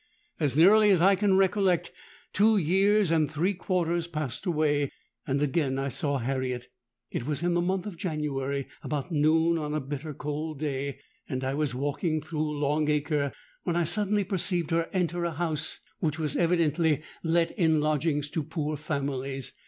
"As nearly as I can recollect, two years and three quarters passed away; and I again saw Harriet. It was in the month of January, about noon on a bitter cold day; and I was walking through Long Acre, when I suddenly perceived her enter a house, which was evidently let in lodgings to poor families.